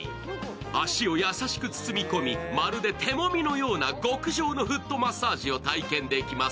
足を優しく包み込み、まるで手もみのような極上のフットマッサージを体験できます。